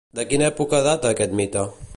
De quina època data aquest mite?